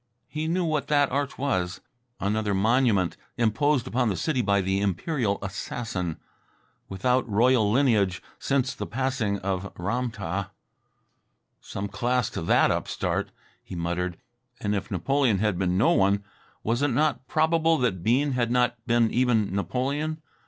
He knew what that arch was another monument imposed upon the city by the imperial assassin without royal lineage since the passing of Ram tah. "Some class to that upstart!" he muttered. And if Napoleon had been no one, was it not probable that Bean had not been even Napoleon.